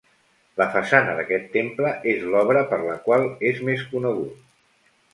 La façana d'aquest temple és l'obra per la qual és més conegut.